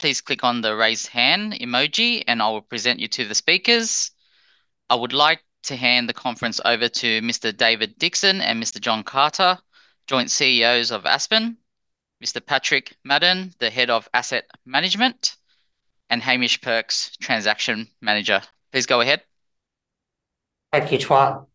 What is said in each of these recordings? Please click on the Raise Hand emoji, and I will present you to the speakers. I would like to hand the conference over to Mr. David Dixon and Mr. John Carter, Joint CEOs of Aspen, Mr. Patrick Maddern, the Head of Asset Management, and Hamish Perks, Transaction Manager. Please go ahead. Thank you, Tuan.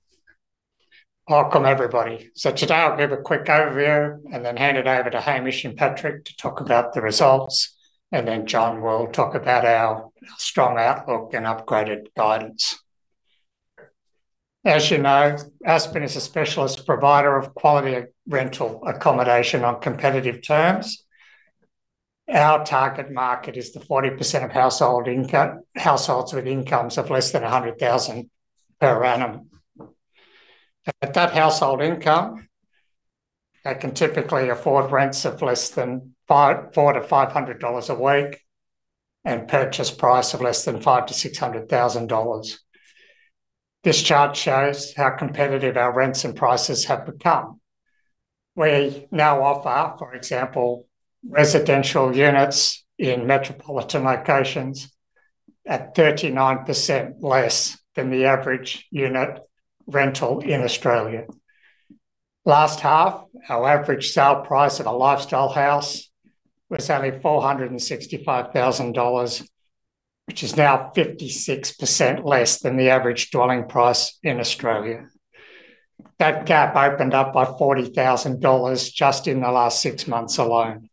Welcome, everybody. So today, I'll give a quick overview and then hand it over to Hamish and Patrick to talk about the results, and then John will talk about our strong outlook and upgraded guidance. As you know, Aspen is a specialist provider of quality rental accommodation on competitive terms. Our target market is the 40% of households with incomes of less than 100,000 per annum. At that household income, they can typically afford rents of less than AUD 400-$500 a week, and purchase price of less than AUD 500,000-$600,000. This chart shows how competitive our rents and prices have become. We now offer, for example, residential units in metropolitan locations at 39% less than the average unit rental in Australia. Last half, our average sale price of a lifestyle house was only 465,000 dollars, which is now 56% less than the average dwelling price in Australia. That gap opened up by 40,000 dollars just in the last six months alone.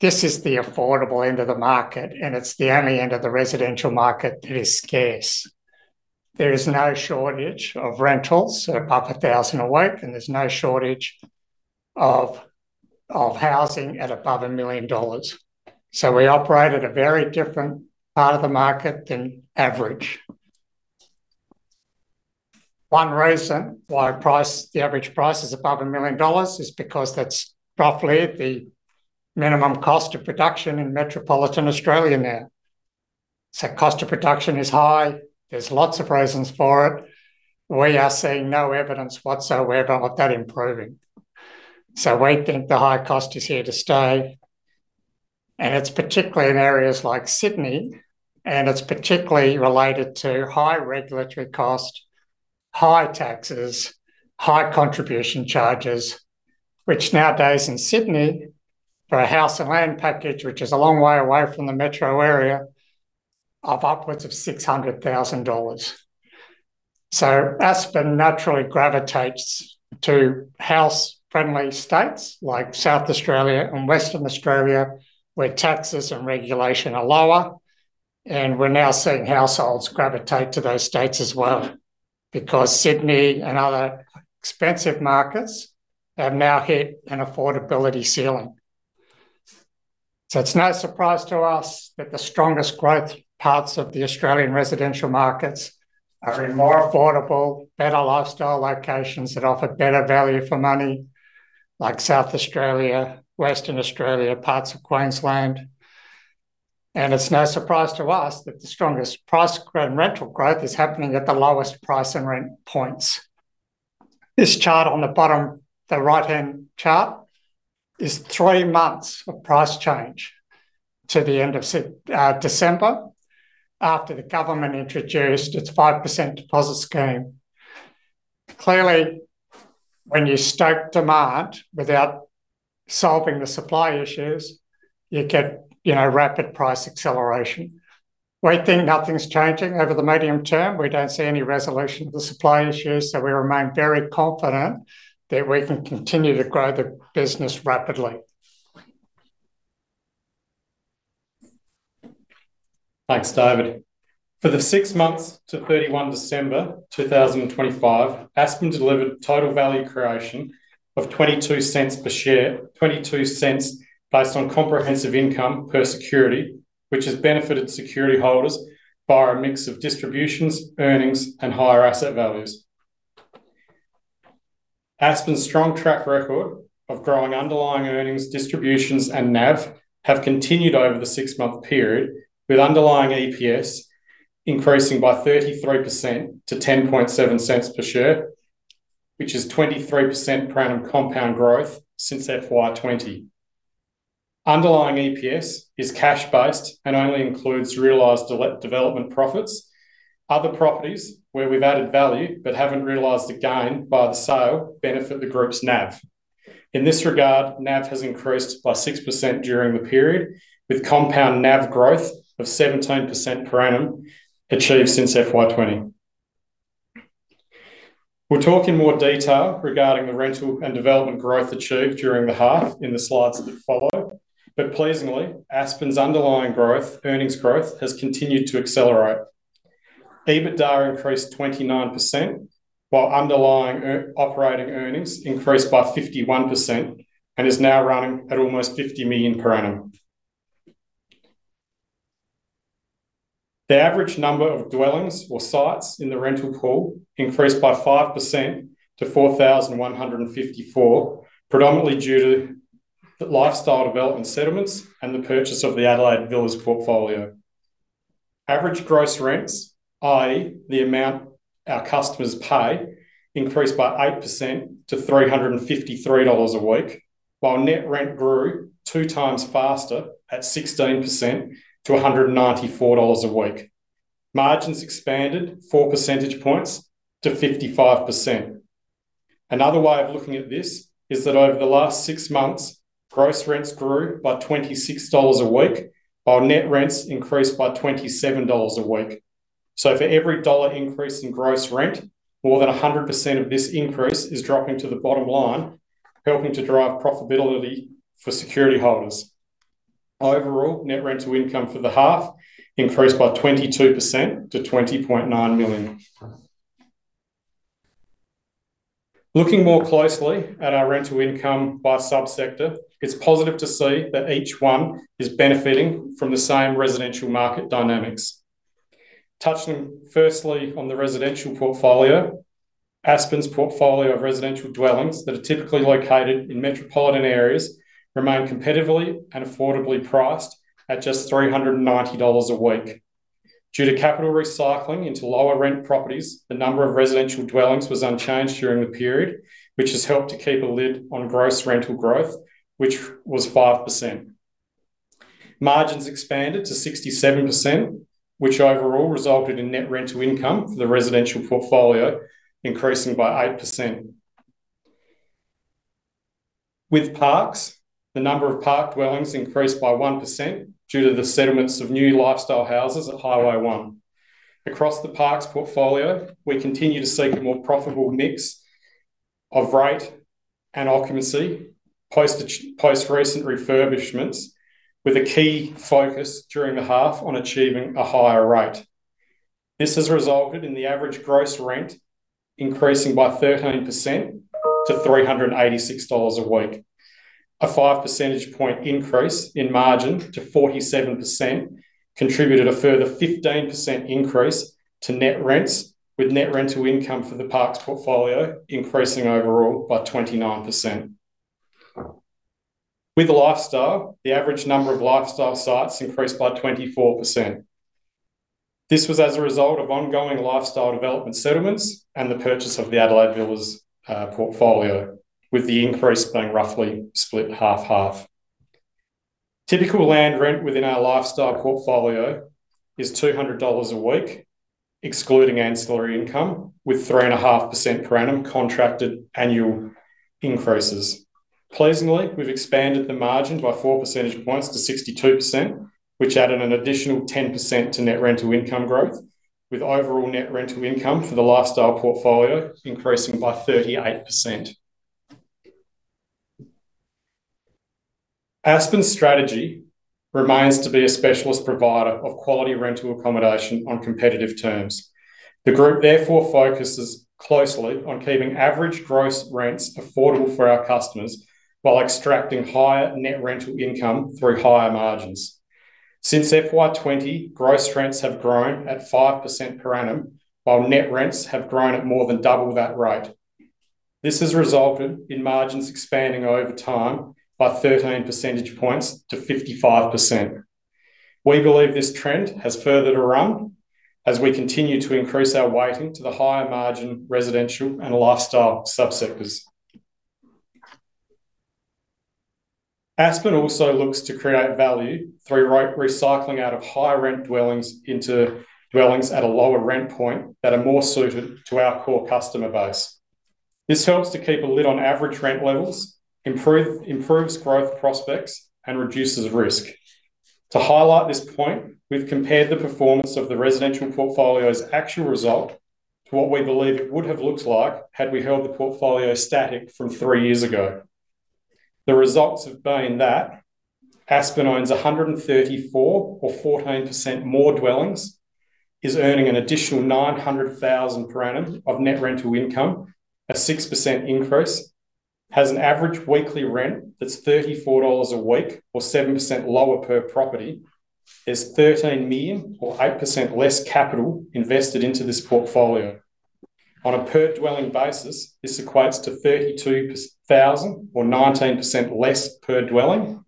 This is the affordable end of the market, and it's the only end of the residential market that is scarce. There is no shortage of rentals above 1,000 a week, and there's no shortage of housing at above 1 million dollars. So we operate at a very different part of the market than average. One reason why price, the average price is above 1 million dollars is because that's roughly the minimum cost of production in metropolitan Australia now. So cost of production is high. There's lots of reasons for it. We are seeing no evidence whatsoever of that improving. So we think the high cost is here to stay, and it's particularly in areas like Sydney, and it's particularly related to high regulatory cost, high taxes, high contribution charges, which nowadays in Sydney, for a house and land package, which is a long way away from the metro area, of upwards of 600,000 dollars. So Aspen naturally gravitates to house-friendly states like South Australia and Western Australia, where taxes and regulation are lower, and we're now seeing households gravitate to those states as well, because Sydney and other expensive markets have now hit an affordability ceiling. So it's no surprise to us that the strongest growth parts of the Australian residential markets are in more affordable, better lifestyle locations that offer better value for money, like South Australia, Western Australia, parts of Queensland. It's no surprise to us that the strongest price and rental growth is happening at the lowest price and rent points. This chart on the bottom, the right-hand chart, is three months of price change to the end of December, after the government introduced its 5% deposit scheme. Clearly, when you stoke demand without solving the supply issues, you get, you know, rapid price acceleration. We think nothing's changing over the medium term. We don't see any resolution to the supply issues, so we remain very confident that we can continue to grow the business rapidly. Thanks, David. For the six months to 31 December 2025, Aspen delivered total value creation of 0.22 per share, 0.22 based on comprehensive income per security, which has benefited security holders via a mix of distributions, earnings, and higher asset values. Aspen's strong track record of growing underlying earnings, distributions, and NAV have continued over the 6-month period, with underlying EPS increasing by 33% to 0.107 per share, which is 23% per annum compound growth since FY 2020. Underlying EPS is cash-based and only includes realized development profits. Other properties, where we've added value but haven't realized a gain by the sale, benefit the group's NAV. In this regard, NAV has increased by 6% during the period, with compound NAV growth of 17% per annum achieved since FY 2020. We'll talk in more detail regarding the rental and development growth achieved during the half in the slides that follow, but pleasingly, Aspen's underlying growth, earnings growth, has continued to accelerate. EBITDA increased 29%, while underlying earnings, operating earnings increased by 51% and is now running at almost 50 million per annum. The average number of dwellings or sites in the rental pool increased by 5% to 4,154, predominantly due to the lifestyle development settlements and the purchase of the Adelaide Villas portfolio. Average gross rents, i.e., the amount our customers pay, increased by 8% to 353 dollars a week, while net rent grew 2x faster at 16% to 194 dollars a week. Margins expanded 4 percentage points to 55%. Another way of looking at this is that over the last six months, gross rents grew by 26 dollars a week, while net rents increased by 27 dollars a week. So for every dollar increase in gross rent, more than 100% of this increase is dropping to the bottom line, helping to drive profitability for security holders. Overall, net rental income for the half increased by 22% to 20.9 million. Looking more closely at our rental income by subsector, it's positive to see that each one is benefiting from the same residential market dynamics. Touching firstly on the residential portfolio, Aspen's portfolio of residential dwellings that are typically located in metropolitan areas remain competitively and affordably priced at just 390 dollars a week. Due to capital recycling into lower rent properties, the number of residential dwellings was unchanged during the period, which has helped to keep a lid on gross rental growth, which was 5%. Margins expanded to 67%, which overall resulted in net rental income for the residential portfolio increasing by 8%. With parks, the number of park dwellings increased by 1% due to the settlements of new lifestyle houses at Highway 1. Across the parks portfolio, we continue to seek a more profitable mix of rate and occupancy, post recent refurbishments, with a key focus during the half on achieving a higher rate. This has resulted in the average gross rent increasing by 13% to 386 dollars a week. A 5 percentage point increase in margin to 47% contributed a further 15% increase to net rents, with net rental income for the parks portfolio increasing overall by 29%. With the lifestyle, the average number of lifestyle sites increased by 24%. This was as a result of ongoing lifestyle development settlements and the purchase of the Adelaide Villas portfolio, with the increase being roughly split half, half. Typical land rent within our lifestyle portfolio is 200 dollars a week, excluding ancillary income, with 3.5% per annum contracted annual increases. Pleasingly, we've expanded the margin by 4 percentage points to 62%, which added an additional 10% to net rental income growth, with overall net rental income for the lifestyle portfolio increasing by 38%. Aspen's strategy remains to be a specialist provider of quality rental accommodation on competitive terms. The group therefore focuses closely on keeping average gross rents affordable for our customers, while extracting higher net rental income through higher margins. Since FY 2020, gross rents have grown at 5% per annum, while net rents have grown at more than double that rate. This has resulted in margins expanding over time by 13 percentage points to 55%. We believe this trend has further to run as we continue to increase our weighting to the higher margin residential and lifestyle subsectors. Aspen also looks to create value through recycling out of high rent dwellings into dwellings at a lower rent point that are more suited to our core customer base. This helps to keep a lid on average rent levels, improves growth prospects, and reduces risk. To highlight this point, we've compared the performance of the residential portfolio's actual result to what we believe it would have looked like had we held the portfolio static from three years ago. The results have been that Aspen owns 134, or 14% more dwellings, is earning an additional 900,000 per annum of net rental income, a 6% increase, has an average weekly rent that's 34 dollars a week, or 7% lower per property, is 13 million, or 8% less capital invested into this portfolio. On a per dwelling basis, this equates to 32,000, or 19% less per dwelling.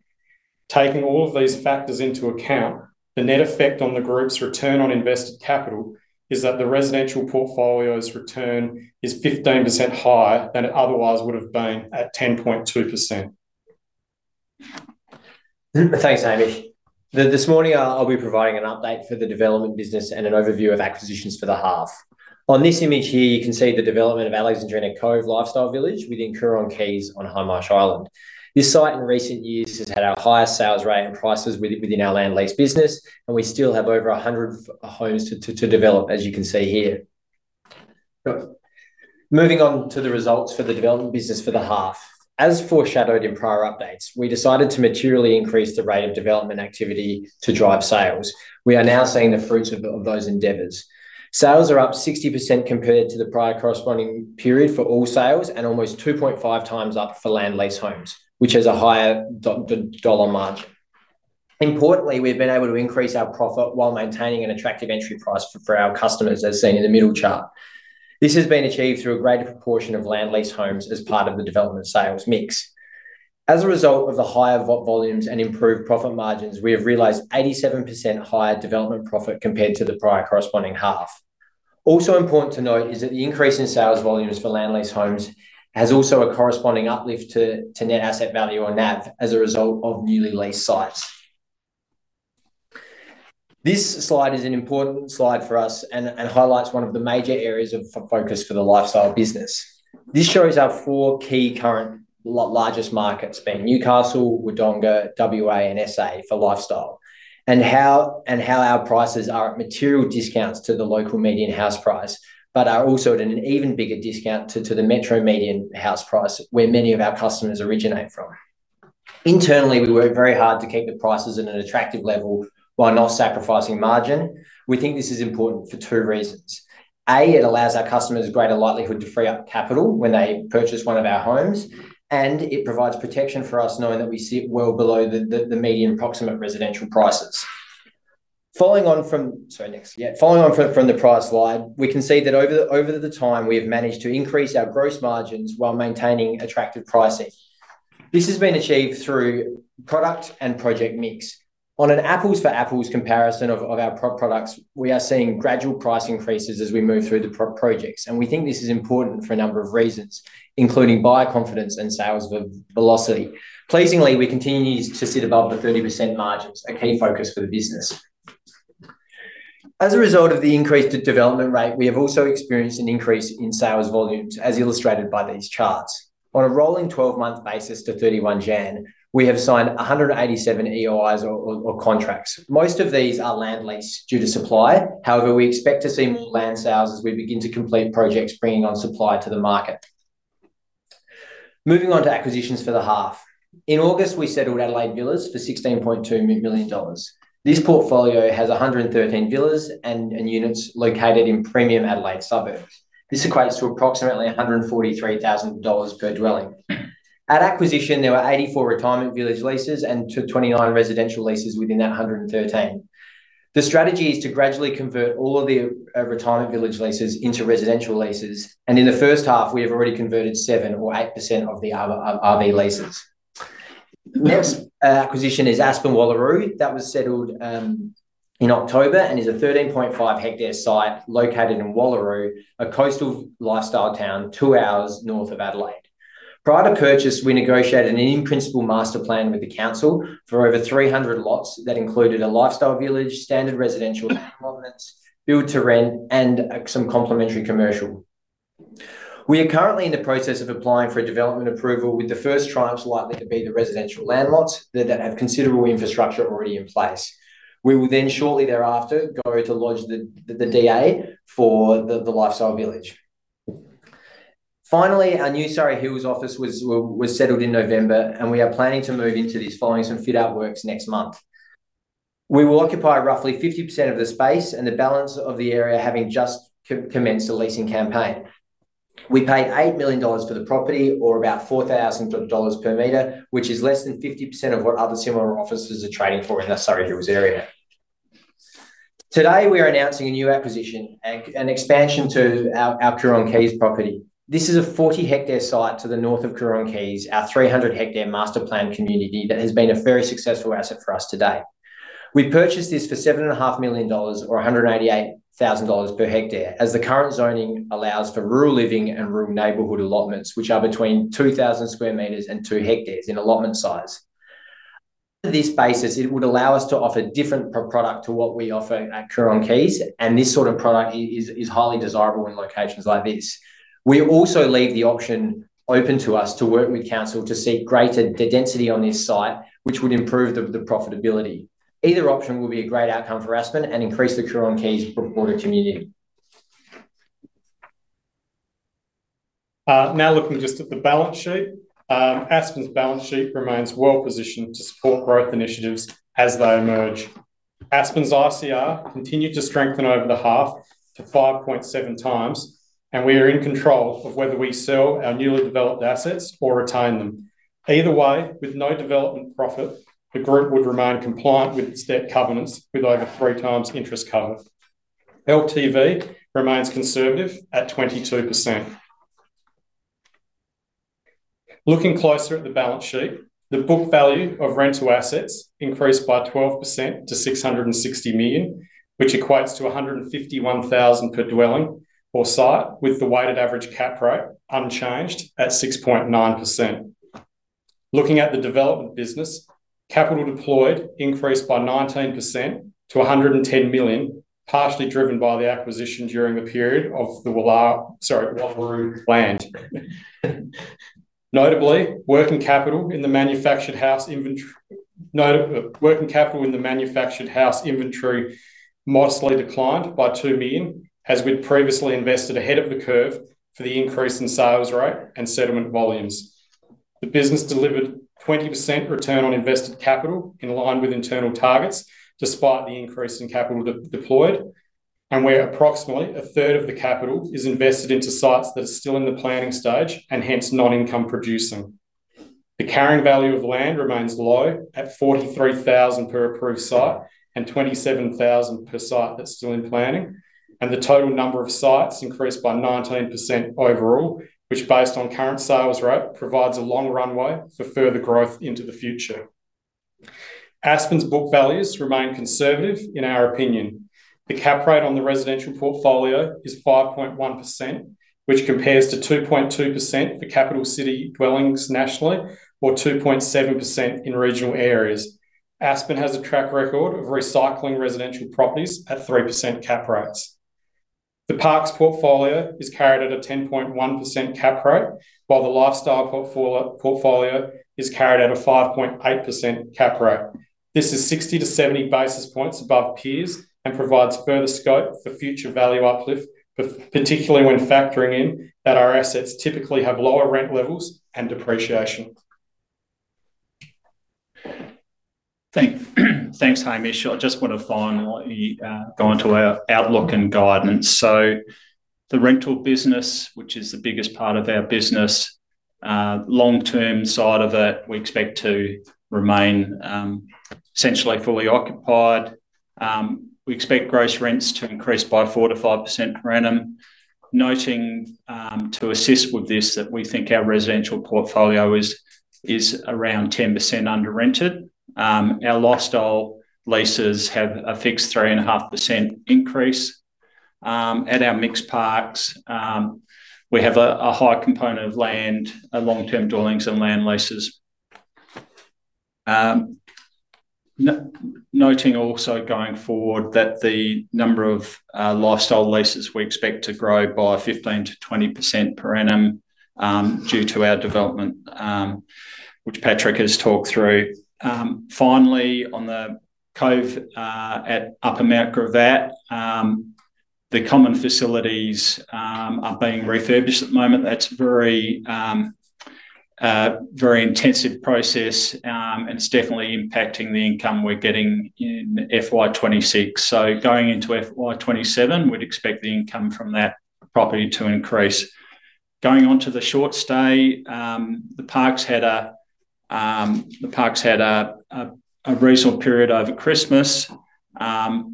Taking all of these factors into account, the net effect on the group's return on invested capital is that the residential portfolio's return is 15% higher than it otherwise would have been at 10.2%. Thanks, Hamish. This morning, I'll be providing an update for the development business and an overview of acquisitions for the half. On this image here, you can see the development of Alexandrina Cove Lifestyle Village with Coorong Quays on Hindmarsh Island. This site in recent years has had our highest sales rate and prices within our land lease business, and we still have over 100 homes to develop, as you can see here. Moving on to the results for the development business for the half. As foreshadowed in prior updates, we decided to materially increase the rate of development activity to drive sales. We are now seeing the fruits of those endeavors. Sales are up 60% compared to the prior corresponding period for all sales, and almost 2.5x up for land lease homes, which has a higher dollar margin. Importantly, we've been able to increase our profit while maintaining an attractive entry price for our customers, as seen in the middle chart. This has been achieved through a greater proportion of land lease homes as part of the development sales mix. As a result of the higher volumes and improved profit margins, we have realized 87% higher development profit compared to the prior corresponding half. Also important to note is that the increase in sales volumes for land lease homes has also a corresponding uplift to net asset value on NAV as a result of newly leased sites. This slide is an important slide for us and highlights one of the major areas of focus for the lifestyle business. This shows our four key current largest markets, being Newcastle, Wodonga, WA, and SA for lifestyle, and how our prices are at material discounts to the local median house price, but are also at an even bigger discount to the metro median house price, where many of our customers originate from. Internally, we work very hard to keep the prices at an attractive level while not sacrificing margin. We think this is important for two reasons: A, it allows our customers a greater likelihood to free up capital when they purchase one of our homes, and it provides protection for us, knowing that we sit well below the median approximate residential prices. Following on from. Sorry, next. Yeah, following on from the price slide, we can see that over the time, we have managed to increase our gross margins while maintaining attractive pricing. This has been achieved through product and project mix. On an apples-for-apples comparison of our products, we are seeing gradual price increases as we move through the projects, and we think this is important for a number of reasons, including buyer confidence and sales velocity. Pleasingly, we continue to sit above the 30% margins, a key focus for the business. As a result of the increased development rate, we have also experienced an increase in sales volumes, as illustrated by these charts. On a rolling twelve-month basis to 31 January, we have signed 187 EOIs or contracts. Most of these are land lease due to supply; however, we expect to see more land sales as we begin to complete projects, bringing on supply to the market. Moving on to acquisitions for the half. In August, we settled Adelaide Villas for 16.2 million dollars. This portfolio has 113 villas and units located in premium Adelaide suburbs. This equates to approximately 143,000 dollars per dwelling. At acquisition, there were 84 retirement village leases and 29 residential leases within that 113. The strategy is to gradually convert all of the retirement village leases into residential leases, and in the first half, we have already converted 7% or 8% of the RV leases. Next, acquisition is Aspen Wallaroo. That was settled in October and is a 13.5 hectare site located in Wallaroo, a coastal lifestyle town two hours north of Adelaide. Prior to purchase, we negotiated an in-principle master plan with the council for over 300 lots that included a lifestyle village, standard residential allotments, build to rent, and some complementary commercial. We are currently in the process of applying for a development approval, with the first tranches likely to be the residential land lots that have considerable infrastructure already in place. We will then, shortly thereafter, go to lodge the DA for the lifestyle village. Finally, our new Surry Hills office was settled in November, and we are planning to move into this following some fit-out works next month. We will occupy roughly 50% of the space, and the balance of the area having just commenced a leasing campaign. We paid 8 million dollars for the property or about 4,000 dollars per meter, which is less than 50% of what other similar offices are trading for in the Surry Hills area. Today, we are announcing a new acquisition, an expansion to our Coorong Quays property. This is a 40-hectare site to the north of Coorong Quays, our 300-hectare master plan community that has been a very successful asset for us to date. We purchased this for 7.5 million dollars, or 188,000 dollars per hectare, as the current zoning allows for rural living and rural neighborhood allotments, which are between 2,000 square meters and 2 hectares in allotment size. This basis, it would allow us to offer different product to what we offer at Coorong Quays, and this sort of product is highly desirable in locations like this. We also leave the option open to us to work with council to seek greater density on this site, which would improve the profitability. Either option will be a great outcome for Aspen and increase the Coorong Quays reported community. Now looking just at the balance sheet. Aspen's balance sheet remains well positioned to support growth initiatives as they emerge. Aspen's ICR continued to strengthen over the half to 5.7x, and we are in control of whether we sell our newly developed assets or retain them. Either way, with no development profit, the group would remain compliant with its debt covenants, with over 3x interest cover. LTV remains conservative at 22%. Looking closer at the balance sheet, the book value of rental assets increased by 12% to 660 million, which equates to 151,000 per dwelling or site, with the weighted average cap rate unchanged at 6.9%. Looking at the development business, capital deployed increased by 19% to 110 million, partially driven by the acquisition during the period of the Wallaroo land. Notably, working capital in the manufactured house inventory modestly declined by 2 million, as we'd previously invested ahead of the curve for the increase in sales rate and settlement volumes. The business delivered 20% return on invested capital, in line with internal targets, despite the increase in capital deployed, and where approximately a third of the capital is invested into sites that are still in the planning stage and hence not income producing. The carrying value of land remains low at 43,000 per approved site and 27,000 per site that's still in planning, and the total number of sites increased by 19% overall, which, based on current sales rate, provides a long runway for further growth into the future. Aspen's book values remain conservative, in our opinion. The cap rate on the residential portfolio is 5.1%, which compares to 2.2% for capital city dwellings nationally, or 2.7% in regional areas. Aspen has a track record of recycling residential properties at 3% cap rates. The parks portfolio is carried at a 10.1% cap rate, while the lifestyle portfolio is carried at a 5.8% cap rate. This is 60-70 basis points above peers and provides further scope for future value uplift, but particularly when factoring in that our assets typically have lower rent levels and depreciation. Thanks, Hamish. I just want to finally go on to our outlook and guidance. So the rental business, which is the biggest part of our business, long-term side of it, we expect to remain essentially fully occupied. We expect gross rents to increase by 4%-5% per annum, noting to assist with this, that we think our residential portfolio is around 10% under-rented. Our lifestyle leases have a fixed 3.5% increase. At our mixed parks, we have a high component of land long-term dwellings and land leases. Noting also going forward that the number of lifestyle leases we expect to grow by 15%-20% per annum due to our development, which Patrick has talked through. Finally, on The Cove at Upper Mount Gravatt, the common facilities are being refurbished at the moment. That's very, very intensive process, and it's definitely impacting the income we're getting in FY 2026. So going into FY 2027, we'd expect the income from that property to increase. Going on to the short stay, the parks had a recent period over Christmas.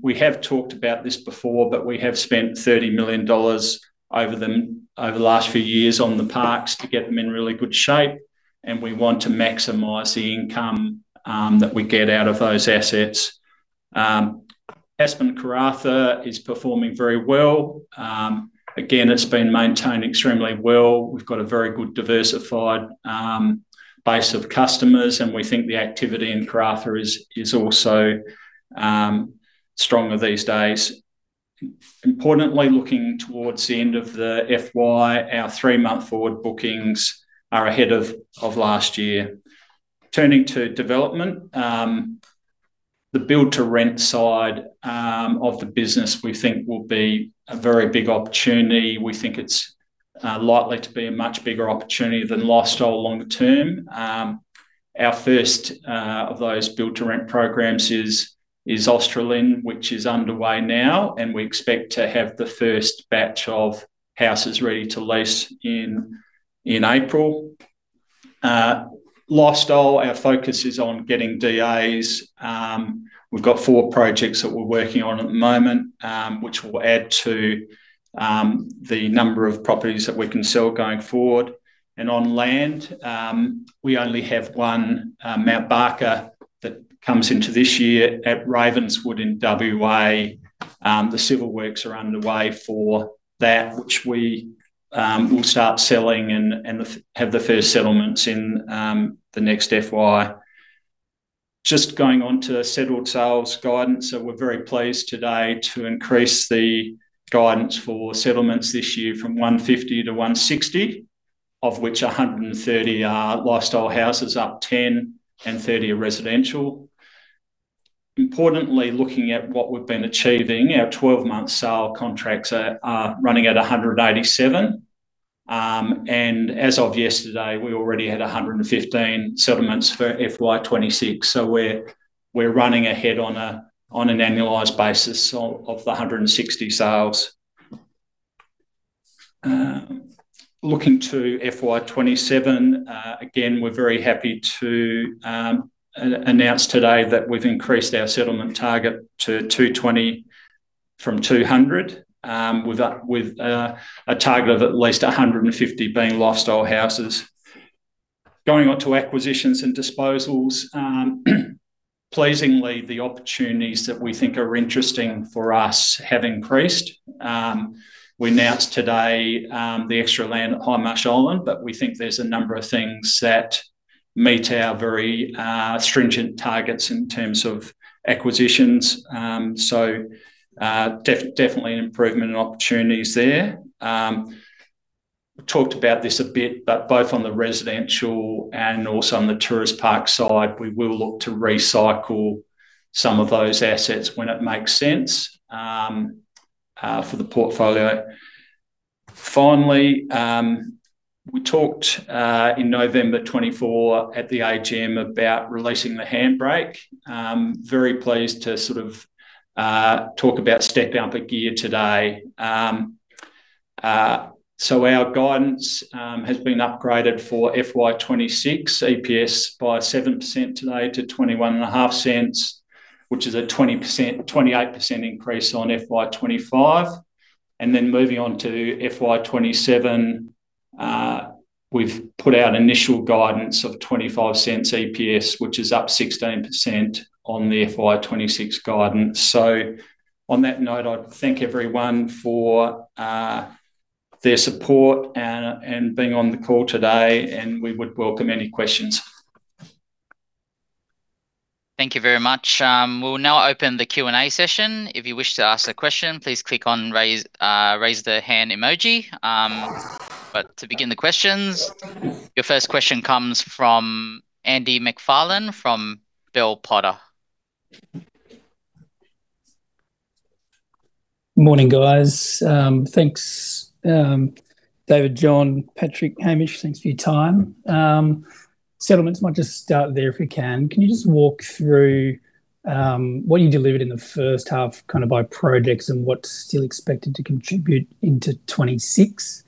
We have talked about this before, but we have spent 30 million dollars over the last few years on the parks to get them in really good shape, and we want to maximize the income that we get out of those assets. Aspen Karratha is performing very well. Again, it's been maintained extremely well. We've got a very good diversified base of customers, and we think the activity in Karratha is also stronger these days. Importantly, looking towards the end of the FY, our three-month forward bookings are ahead of last year. Turning to development, the build-to-rent side of the business, we think will be a very big opportunity. We think it's likely to be a much bigger opportunity than lifestyle long term. Our first of those build-to-rent programs is Australind, which is underway now, and we expect to have the first batch of houses ready to lease in April. Lifestyle, our focus is on getting DAs. We've got four projects that we're working on at the moment, which will add to the number of properties that we can sell going forward. On land, we only have one, Mount Barker, that comes into this year at Ravenswood in WA. The civil works are underway for that, which we will start selling and have the first settlements in the next FY. Just going on to settled sales guidance, so we're very pleased today to increase the guidance for settlements this year from 150 to 160, of which 130 are lifestyle houses, up 10, and 30 are residential. Importantly, looking at what we've been achieving, our 12-month sale contracts are running at 187, and as of yesterday, we already had 115 settlements for FY 2026, so we're running ahead on an annualized basis of the 160 sales. Looking to FY 2027, again, we're very happy to announce today that we've increased our settlement target to 220 from 200, with a target of at least 150 being lifestyle houses. Going on to acquisitions and disposals, pleasingly, the opportunities that we think are interesting for us have increased. We announced today the extra land at Hindmarsh Island, but we think there's a number of things that meet our very stringent targets in terms of acquisitions. So, definitely an improvement in opportunities there. We talked about this a bit, but both on the residential and also on the tourist park side, we will look to recycle some of those assets when it makes sense for the portfolio. Finally, we talked in November 2024 at the AGM about releasing the handbrake. I'm very pleased to sort of talk about stepping up a gear today. So our guidance has been upgraded for FY 2026 EPS by 7% today to 0.215, which is a 20%--28% increase on FY 2025. And then moving on to FY 2027. We've put out initial guidance of 0.25 EPS, which is up 16% on the FY 2026 guidance. So on that note, I'd thank everyone for their support, and being on the call today, and we would welcome any questions. Thank you very much. We'll now open the Q&A session. If you wish to ask a question, please click on raise, raise the hand emoji. But to begin the questions, your first question comes from Andy MacFarlane from Bell Potter. Morning, guys. Thanks, David, John, Patrick, Hamish, thanks for your time. Settlements, might just start there, if we can. Can you just walk through what you delivered in the first half, kind of by projects and what's still expected to contribute into 2026?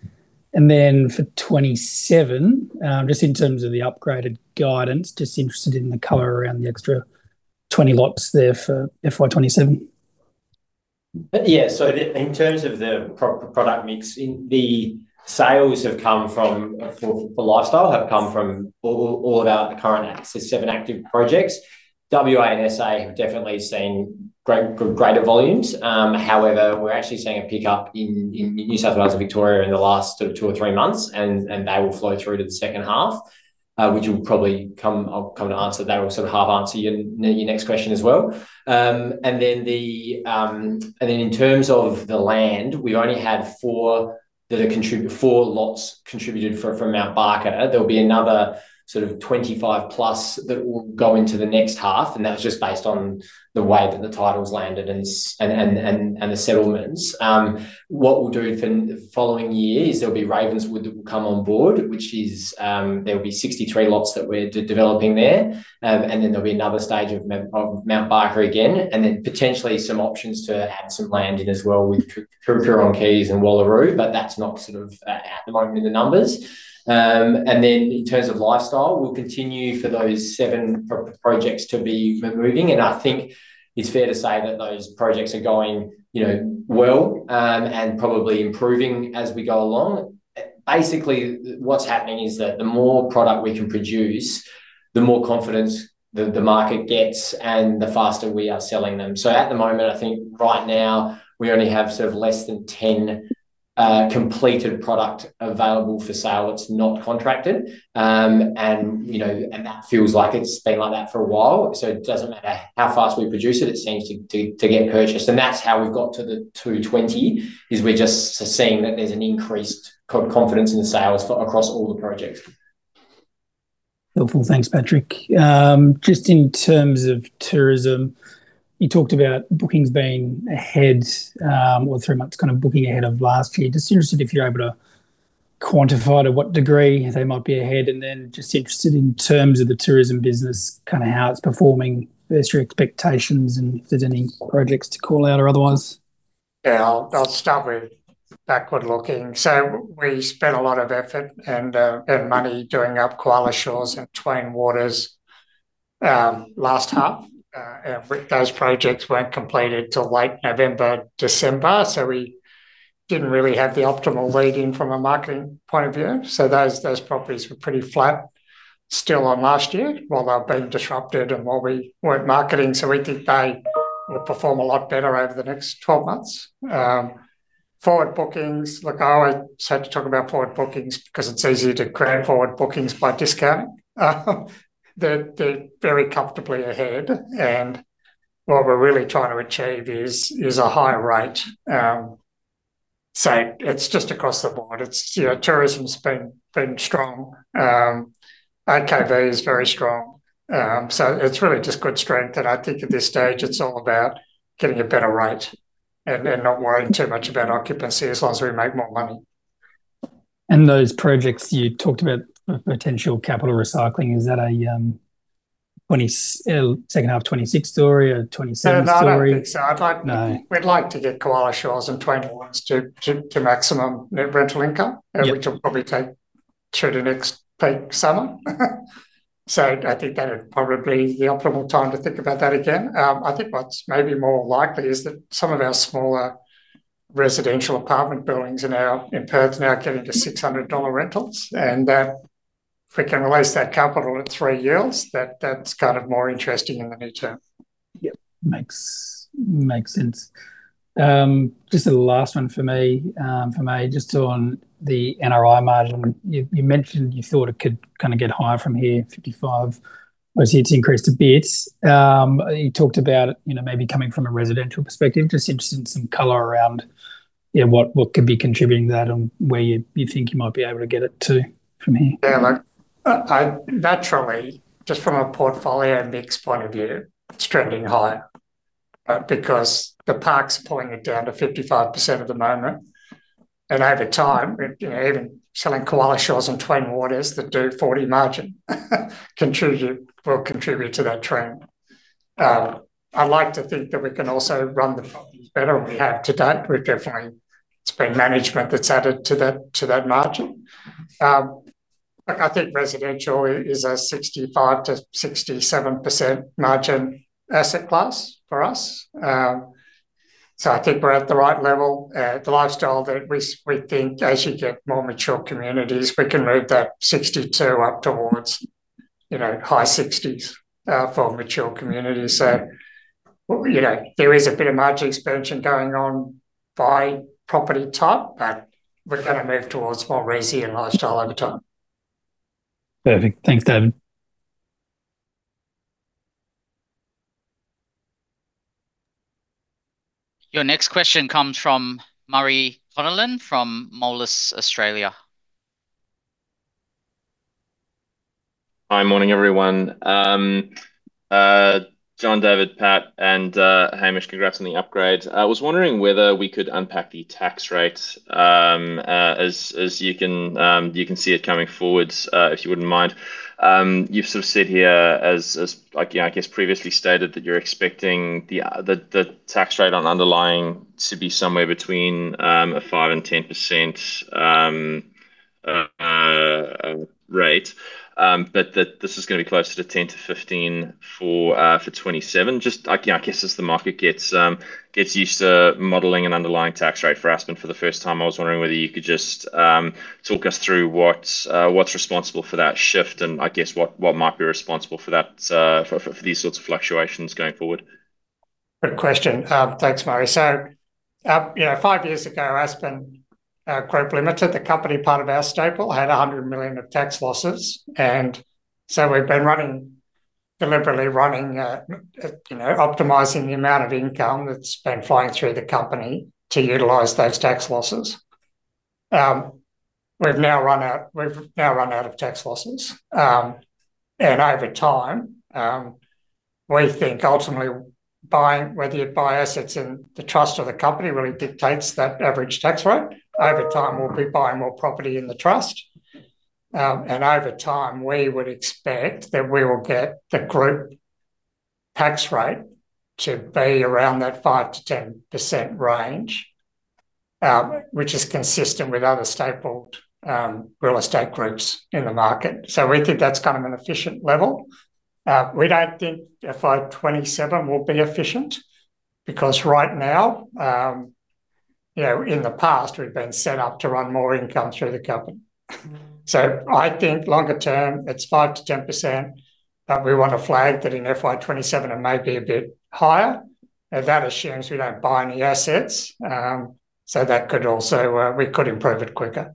And then for 2027, just in terms of the upgraded guidance, just interested in the color around the extra 20 lots there for FY 2027. Yeah. So in terms of the product mix, the sales have come from, for lifestyle, have come from all of our current 7 active projects. WA and SA have definitely seen greater volumes, however, we're actually seeing a pickup in New South Wales and Victoria in the last sort of two or three months, and they will flow through to the second half, which will probably come. I'll come to answer that, or sort of half answer your next question as well. And then in terms of the land, we only had four lots contributed from Mount Barker. There'll be another sort of 25+ that will go into the next half, and that was just based on the way that the titles landed and the settlements. What we'll do for the following year is there'll be Ravenswood that will come on board, which is there'll be 63 lots that we're developing there. And then there'll be another stage of Mount Barker again, and then potentially some options to add some land in as well with Coorong Quays and Wallaroo, but that's not sort of at the moment in the numbers. And then in terms of lifestyle, we'll continue for those seven projects to be moving, and I think it's fair to say that those projects are going, you know, well, and probably improving as we go along. Basically, what's happening is that the more product we can produce, the more confidence the market gets, and the faster we are selling them. So at the moment, I think right now we only have sort of less than 10 completed product available for sale that's not contracted. And, you know, and that feels like it's been like that for a while, so it doesn't matter how fast we produce it, it seems to get purchased. And that's how we've got to the 220, is we're just seeing that there's an increased confidence in the sales for across all the projects. Helpful. Thanks, Patrick. Just in terms of tourism, you talked about bookings being ahead, or three months kind of booking ahead of last year. Just interested if you're able to quantify to what degree they might be ahead, and then just interested in terms of the tourism business, kind of how it's performing versus your expectations and if there's any projects to call out or otherwise. Yeah, I'll start with backward-looking. So we spent a lot of effort and money doing up Koala Shores and Tween Waters last half. And those projects weren't completed till late November, December, so we didn't really have the optimal lead-in from a marketing point of view. So those properties were pretty flat still on last year, while they were being disrupted and while we weren't marketing, so we think they will perform a lot better over the next 12 months. Forward bookings, look, I always hate to talk about forward bookings because it's easier to grow forward bookings by discounting. They're very comfortably ahead, and what we're really trying to achieve is a higher rate. So it's just across the board. It's, you know, tourism's been strong. AKV is very strong. So it's really just good strength, and I think at this stage, it's all about getting a better rate and, and not worrying too much about occupancy as long as we make more money. Those projects you talked about, potential capital recycling, is that a second half of 2026 story, a 2027 story? No, I don't think so. I'd like- No. We'd like to get Koala Shores and Tween Waters to maximum net rental income- Yeah Which will probably take through to next peak summer. So I think that'd probably be the optimal time to think about that again. I think what's maybe more likely is that some of our smaller residential apartment buildings in our, in Perth, now are getting to 600 dollar rentals, and if we can release that capital at 3 yields, that, that's kind of more interesting in the near term. Yep. Makes sense. Just a last one for me, just on the NRI margin. You mentioned you thought it could kind of get higher from here, 55%. Obviously, it's increased a bit. You talked about, you know, maybe coming from a residential perspective, just interested in some color around, yeah, what could be contributing that and where you think you might be able to get it to from here? Yeah, look, I naturally, just from a portfolio mix point of view, it's trending higher, because the park's pulling it down to 55% at the moment, and over time, you know, even selling Koala Shores and Tween Waters that do 40% margin, will contribute to that trend. I'd like to think that we can also run the properties better than we have to date. We've definitely, it's been management that's added to that, to that margin. I think residential is a 65%-67% margin asset class for us. So I think we're at the right level, the lifestyle that we think as you get more mature communities, we can move that 62 up towards you know, high 60s, for mature communities. You know, there is a bit of margin expansion going on by property type, but we're going to move towards more resi and lifestyle over time. Perfect. Thanks, David. Your next question comes from Murray Connellan from Moelis Australia. Hi, morning, everyone. John, David, Pat, and Hamish, congrats on the upgrade. I was wondering whether we could unpack the tax rate, as you can see it coming forward, if you wouldn't mind. You've sort of said here as, as like, I guess, previously stated, that you're expecting the tax rate on underlying to be somewhere between a 5%-10% rate, but that this is going to be closer to 10%-15% for 2027. Just, like, you know, I guess as the market gets used to modeling an underlying tax rate for Aspen for the first time, I was wondering whether you could just talk us through what's responsible for that shift, and I guess what might be responsible for that, for these sorts of fluctuations going forward? Good question. Thanks, Murray. So, you know, five years ago, Aspen Group Limited, the company part of our stapled, had 100 million of tax losses, and so we've been running, deliberately running, you know, optimizing the amount of income that's been flowing through the company to utilize those tax losses. We've now run out, we've now run out of tax losses. And over time, we think ultimately, buying, whether you buy assets in the trust or the company really dictates that average tax rate. Over time, we'll be buying more property in the trust, and over time, we would expect that we will get the group tax rate to be around that 5%-10% range, which is consistent with other stapled, real estate groups in the market. So we think that's kind of an efficient level. We don't think FY 2027 will be efficient because right now, you know, in the past, we've been set up to run more income through the company. So I think longer term, it's 5%-10%, but we want to flag that in FY 2027, it may be a bit higher, and that assumes we don't buy any assets, so that could also, we could improve it quicker.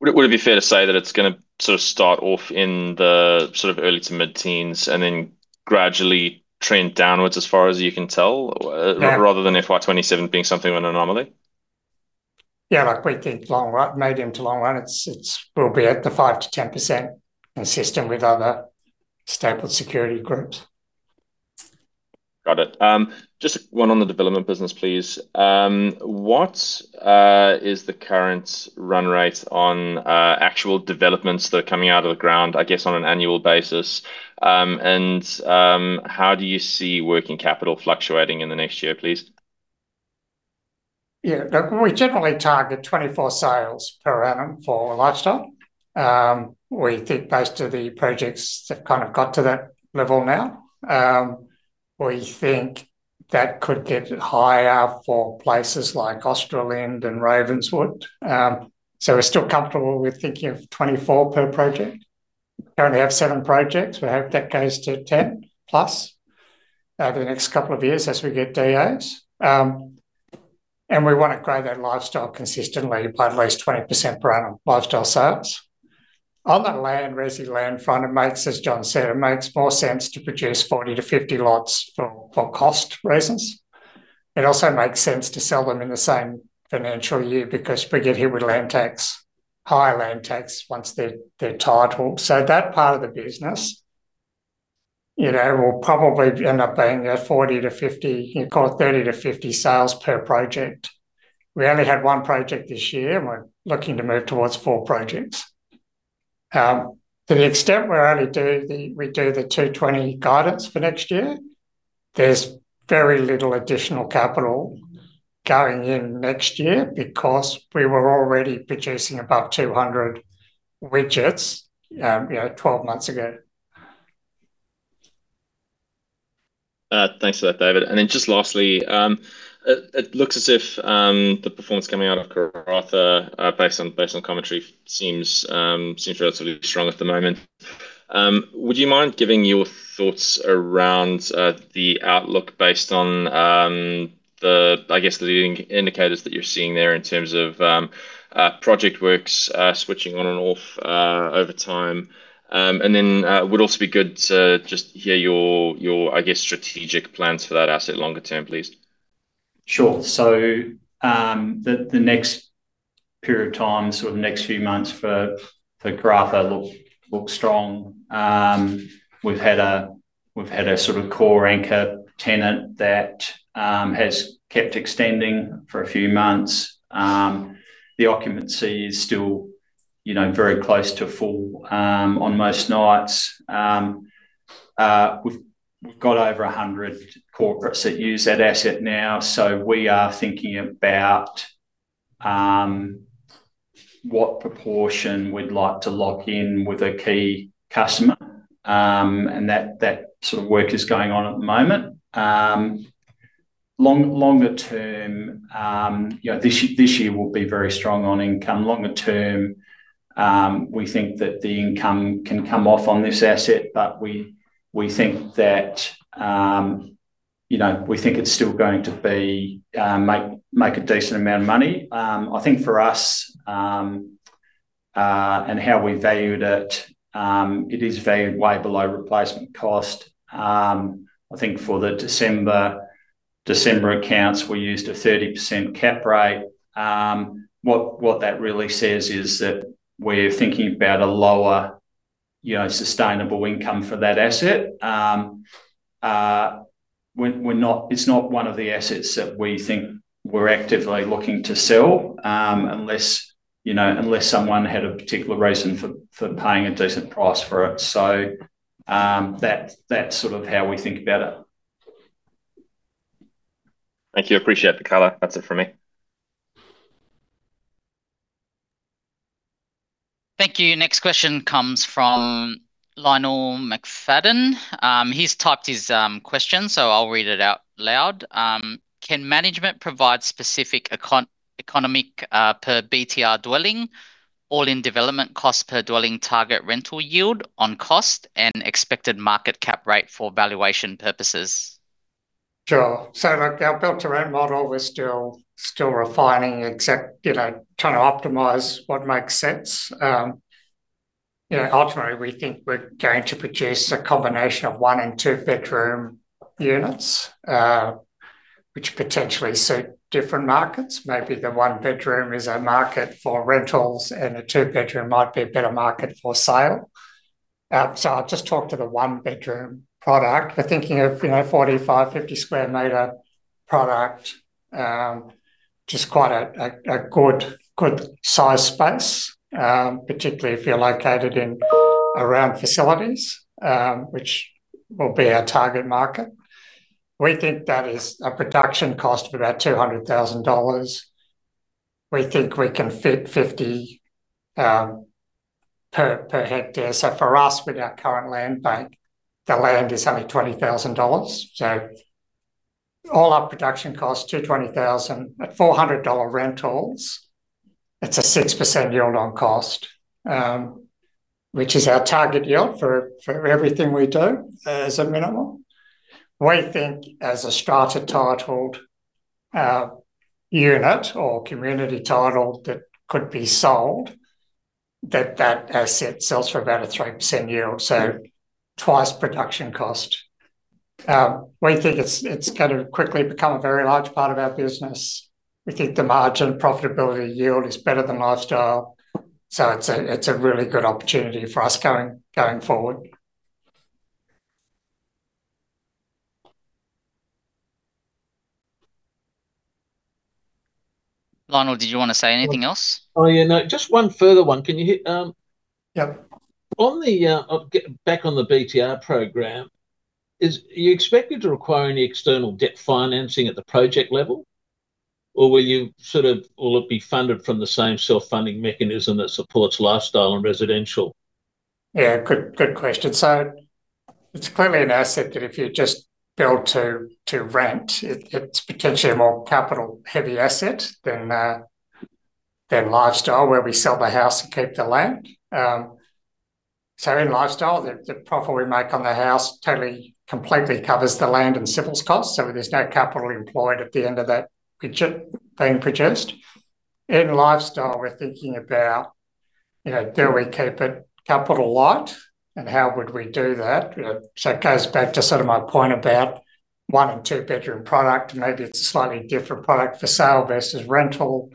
Would it be fair to say that it's gonna sort of start off in the sort of early to mid-teens and then gradually trend downwards, as far as you can tell? Yeah. Rather than FY 27 being something of an anomaly? Yeah, like we think long run, medium to long run, it's, we'll be at the 5%-10% consistent with other stapled security groups. Got it. Just one on the development business, please. What is the current run rate on actual developments that are coming out of the ground, I guess, on an annual basis? And how do you see working capital fluctuating in the next year, please? Yeah. We generally target 24 sales per annum for lifestyle. We think most of the projects have kind of got to that level now. We think that could get higher for places like Australind and Ravenswood. So we're still comfortable with thinking of 24 per project. Currently have 7 projects. We hope that goes to 10+ over the next couple of years as we get DAs. And we want to grow that lifestyle consistently by at least 20% per annum, lifestyle sales. On the land, resi land front, it makes, as John said, it makes more sense to produce 40-50 lots for cost reasons. It also makes sense to sell them in the same financial year because we get hit with land tax, higher land tax, once they're titled. So that part of the business, you know, will probably end up being 40-50, you call it 30-50 sales per project. We only had one project this year, and we're looking to move towards four projects. To the extent we only do the—we do the 220 guidance for next year, there's very little additional capital going in next year because we were already producing about 200 widgets, you know, 12 months ago. Thanks for that, David. And then just lastly, it looks as if the performance coming out of Karratha, based on commentary, seems relatively strong at the moment. Would you mind giving your thoughts around the outlook based on, I guess, the leading indicators that you're seeing there in terms of project works switching on and off over time? And then it would also be good to just hear your, I guess, strategic plans for that asset longer term, please. Sure. So, the next period of time, sort of next few months for Karratha look strong. We've had a sort of core anchor tenant that has kept extending for a few months. The occupancy is still, you know, very close to full on most nights. We've got over 100 corporates that use that asset now, so we are thinking about what proportion we'd like to lock in with a key customer. And that sort of work is going on at the moment. Long, longer term, you know, this year will be very strong on income. Longer term, we think that the income can come off on this asset, but we think that, you know, we think it's still going to be make a decent amount of money. I think for us, and how we valued it, it is valued way below replacement cost. I think for the December accounts, we used a 30% cap rate. What that really says is that we're thinking about a lower, you know, sustainable income for that asset. We're not. It's not one of the assets that we think we're actively looking to sell, unless, you know, unless someone had a particular reason for paying a decent price for it. That's sort of how we think about it. Thank you. Appreciate the color. That's it for me. Thank you. Next question comes from Lionel McFadden. He's typed his question, so I'll read it out loud. Can management provide specific economic per BTR dwelling, all-in development cost per dwelling, target rental yield on cost, and expected market cap rate for valuation purposes? Sure. So, like, our build-to-rent model, we're still refining, except, you know, trying to optimize what makes sense. You know, ultimately, we think we're going to produce a combination of one- and two-bedroom units, which potentially suit different markets. Maybe the one bedroom is a market for rentals, and a two bedroom might be a better market for sale. So I'll just talk to the one-bedroom product. We're thinking of, you know, 45-50 square meter product. Just quite a good size space, particularly if you're located in, around facilities, which will be our target market. We think that is a production cost of about 200,000 dollars. We think we can fit 50 per hectare. So for us, with our current land bank, the land is only 20,000 dollars. So all our production costs, 220,000 at 400 dollar rentals, it's a 6% yield on cost, which is our target yield for everything we do as a minimum. We think as a strata-titled unit or community title that could be sold, that that asset sells for about a 3% yield, so twice production cost. We think it's gonna quickly become a very large part of our business. We think the margin profitability yield is better than lifestyle, so it's a really good opportunity for us going forward. Lionel, did you want to say anything else? Oh, yeah. No, just one further one. Can you hear- Yeah. On the get back on the BTR program, are you expected to require any external debt financing at the project level? Or will it be funded from the same self-funding mechanism that supports lifestyle and residential? Yeah, good, good question. So it's clearly an asset that if you just build to rent, it's potentially a more capital-heavy asset than lifestyle, where we sell the house and keep the land. So in lifestyle, the profit we make on the house totally, completely covers the land and civils costs, so there's no capital employed at the end of that project being produced. In lifestyle, we're thinking about, you know, do we keep it capital light, and how would we do that? So it goes back to sort of my point about one- and two-bedroom product, and maybe it's a slightly different product for sale versus rental.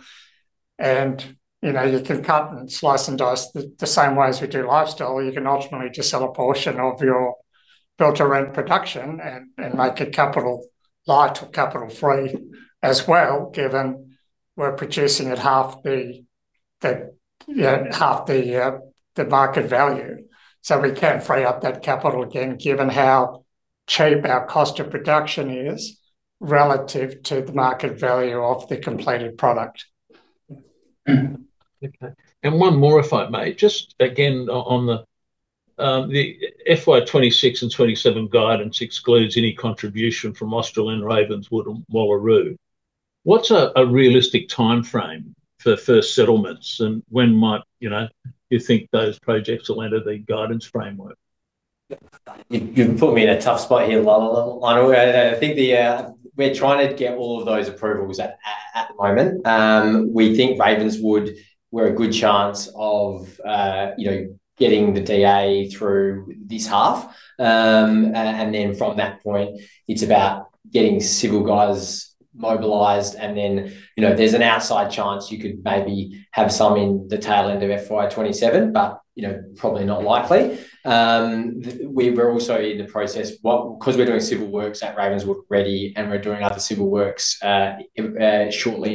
And, you know, you can cut and slice and dice the same way as we do lifestyle. You can ultimately just sell a portion of your build-to-rent production and make it capital light or capital free as well, given we're producing at half the, you know, half the market value. So we can free up that capital again, given how cheap our cost of production is relative to the market value of the completed product. Okay. And one more, if I may. Just again, on the FY 2026 and 2027 guidance excludes any contribution from Australind, Ravenswood, and Wallaroo. What's a realistic timeframe for first settlements, and when might, you know, you think those projects will enter the guidance framework? You've put me in a tough spot here, Lionel. I think we're trying to get all of those approvals at the moment. We think Ravenswood, we're a good chance of, you know, getting the DA through this half. And then from that point, it's about getting civil guys mobilized, and then, you know, there's an outside chance you could maybe have some in the tail end of FY 2027, but, you know, probably not likely. We're also in the process, 'cause we're doing civil works at Ravenswood already, and we're doing other civil works, shortly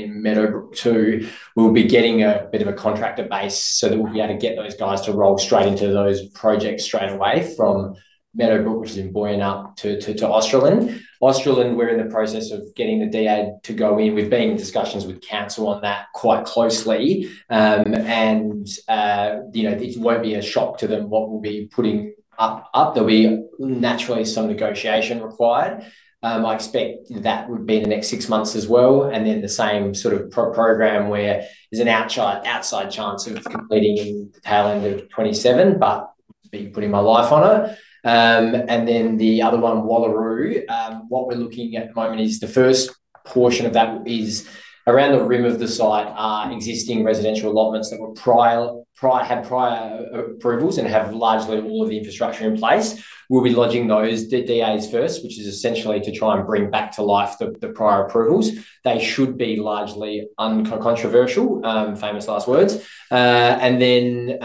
in Meadowbrooke, too. We'll be getting a bit of a contractor base, so that we'll be able to get those guys to roll straight into those projects straight away from Meadowbrooke, which is in Boyanup, to Australind. Australind, we're in the process of getting the DA to go in. We've been in discussions with council on that quite closely. And, you know, it won't be a shock to them what we'll be putting up. There'll be naturally some negotiation required. I expect that would be in the next six months as well, and then the same sort of program where there's an outside chance of completing in the tail end of 2027, but- I'd be putting my life on it. And then the other one, Wallaroo, what we're looking at the moment is the first portion of that is around the rim of the site are existing residential allotments that had prior approvals and have largely all of the infrastructure in place. We'll be lodging those DAs first, which is essentially to try and bring back to life the prior approvals. They should be largely uncontroversial, famous last words. And then,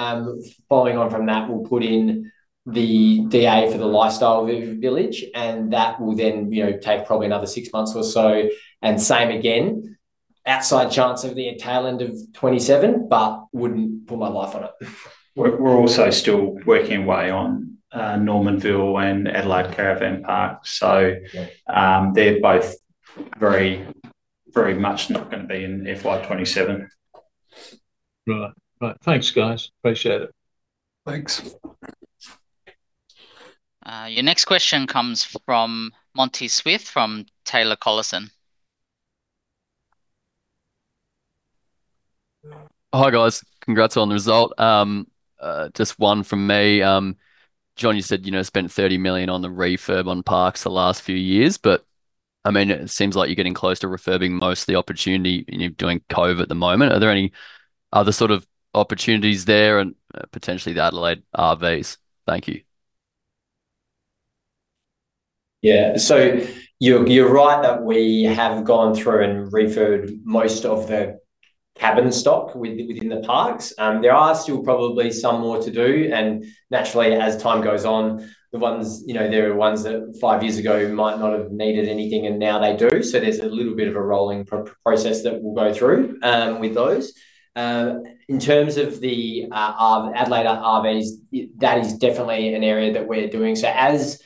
following on from that, we'll put in the DA for the lifestyle village, and that will then, you know, take probably another six months or so, and same again. Outside chance of the tail end of 2027, but wouldn't put my life on it. We're also still working away on Normanville and Adelaide Caravan Park, so- Yeah. They're both very, very much not gonna be in FY 27. Right. Right. Thanks, guys. Appreciate it. Thanks. Your next question comes from Monty Swift from Taylor Collison. Hi, guys. Congrats on the result. Just one from me. John, you said, you know, spent 30 million on the refurb on parks the last few years, but, I mean, it seems like you're getting close to refurbing most of the opportunity, and you're doing The Cove at the moment. Are there any other sort of opportunities there and potentially the Adelaide RVs? Thank you. Yeah. So you're right that we have gone through and refurbed most of the cabin stock within the parks. There are still probably some more to do, and naturally, as time goes on, the ones, you know, there are ones that five years ago might not have needed anything, and now they do. So there's a little bit of a rolling process that we'll go through with those. In terms of the RV, Adelaide RVs, that is definitely an area that we're doing. So as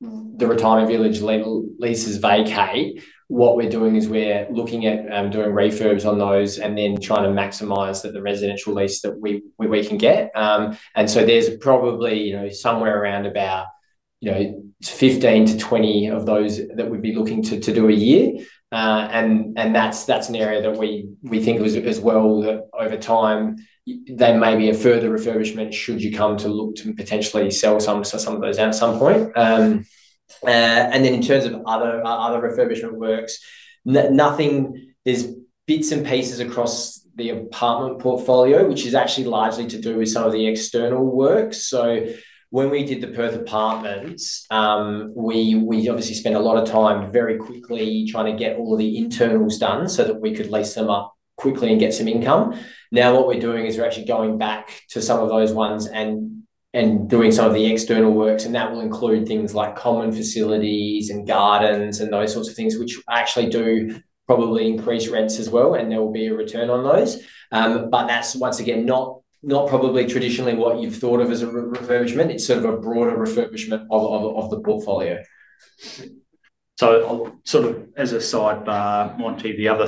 the retirement village level leases vacate, what we're doing is we're looking at doing refurbs on those and then trying to maximize the residential lease that we can get. And so there's probably, you know, somewhere around about, you know, 15-20 of those that we'd be looking to do a year. And that's an area that we think as well, that over time, there may be a further refurbishment should you come to look to potentially sell some, so some of those at some point. And then in terms of other refurbishment works, nothing. There's bits and pieces across the apartment portfolio, which is actually largely to do with some of the external works. So when we did the Perth apartments, we obviously spent a lot of time very quickly trying to get all of the internals done so that we could lease them up quickly and get some income. Now, what we're doing is we're actually going back to some of those ones and doing some of the external works, and that will include things like common facilities and gardens and those sorts of things, which actually do probably increase rents as well, and there will be a return on those. But that's once again, not probably traditionally what you've thought of as a refurbishment. It's sort of a broader refurbishment of the portfolio. So sort of as a sidebar, Monty, the other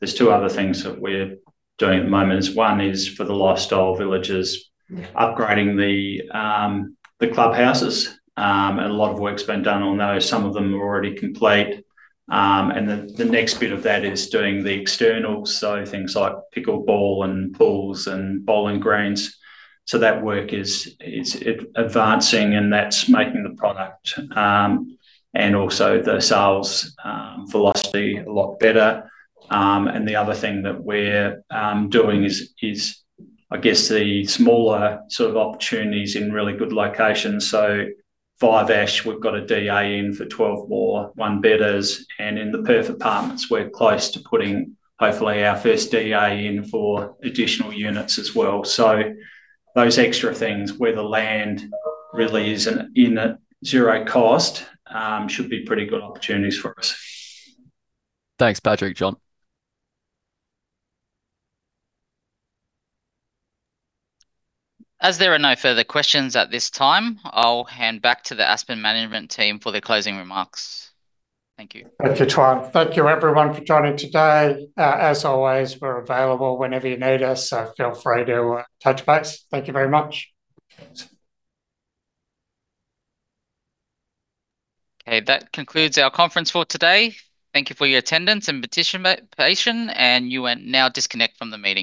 thing—there's two other things that we're doing at the moment. One is for the lifestyle villages, upgrading the clubhouses, and a lot of work's been done on those. Some of them are already complete, and the next bit of that is doing the externals, so things like pickleball and pools and bowling greens. So that work is advancing, and that's making the product and also the sales velocity a lot better. And the other thing that we're doing is, I guess, the smaller sort of opportunities in really good locations. So Fiveash, we've got a DA in for 12 more one-bedders, and in the Perth apartments, we're close to putting, hopefully, our first DA in for additional units as well. So those extra things where the land really isn't in at zero cost should be pretty good opportunities for us. Thanks, Patrick and John. As there are no further questions at this time, I'll hand back to the Aspen management team for the closing remarks. Thank you. Thank you, Tuan. Thank you, everyone, for joining today. As always, we're available whenever you need us, so feel free to touch base. Thank you very much. Okay, that concludes our conference for today. Thank you for your attendance and patience, and you are now disconnected from the meeting.